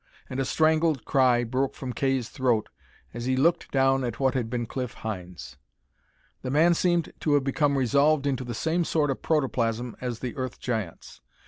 And a strangled cry broke from Kay's throat as he looked down at what had been Cliff Hynes. The man seemed to have become resolved into the same sort of protoplasm as the Earth Giants.